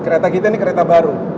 kereta kita ini kereta baru